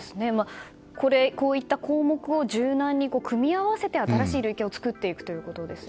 こういった項目を柔軟に組み合わせて新しい類型を作っていくということですよね。